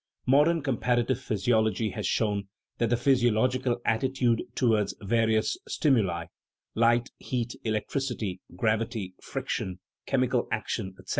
Modern comparative physiology has shown that the physio logical attitude towards various stimuli (light, heat, electricity, gravity, friction, chemical action, etc.)